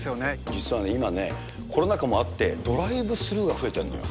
実はね、今ね、コロナ禍もあって、ドライブスルーも増えてるのよ。